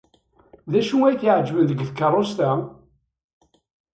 D acu ay t-iɛejben deg tkeṛṛust-a?